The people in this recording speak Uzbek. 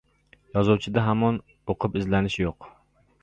Yozuvchida hamon o‘qib-izlanish yo‘q.